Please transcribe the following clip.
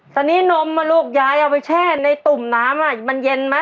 แต่นี่นมลูกยายเอาไปแช่ในตุ่มน้ำมันเย็นมั้ย